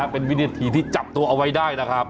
เป็นวินาทีที่จับตัวเอาไว้ได้นะครับ